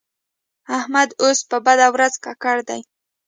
احمد اوس په بده ورځ ککړ دی.